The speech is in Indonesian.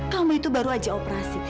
kamu itu baru aja operasi